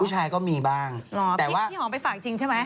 ผู้ชายก็มีบ้างเหรอพี่หอมไปฝากจริงใช่ไหม